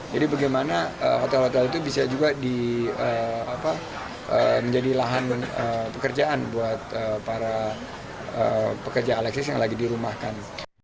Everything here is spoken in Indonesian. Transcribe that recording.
bagaimana hotel hotel itu bisa juga menjadi lahan pekerjaan buat para pekerja alexis yang lagi dirumahkan